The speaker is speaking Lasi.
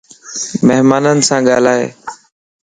مھمانين سين ڳالھائي